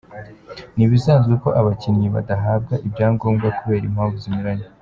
Ni ibisanzwe ko abakinnyi badahabwa ibyangombwa kubera impamvu zinyuranye.